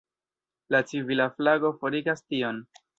La civila flago forigas tion.